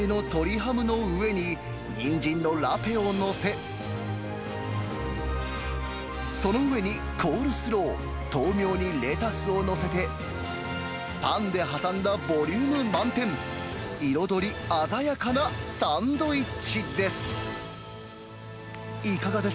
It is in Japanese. ハムの上に、にんじんのラペを載せ、その上にコールスロー、豆苗にレタスを載せて、パンで挟んだボリューム満点、彩り鮮やかなサンドイッチです。